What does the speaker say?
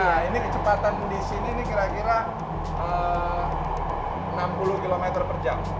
nah ini kecepatan di sini ini kira kira enam puluh km per jam